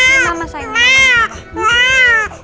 selamat tahun ya anak